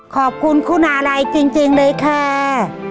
ขอบคุณคุณาลัยจริงเลยค่ะ